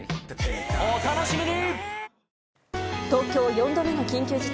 お楽しみに！